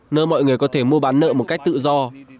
nơi mọi người có thể mua bán nợ